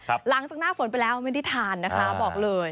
หลังจากหน้าฝนไปแล้วไม่ได้ทานนะคะบอกเลย